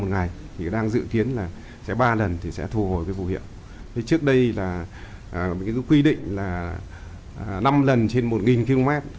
một ngày thì đang dự kiến ba lần sẽ thu hồi phù hiệu trước đây quy định là năm lần trên một km